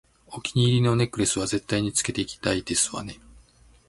お気に入りのネックレスは絶対につけていきたいですわね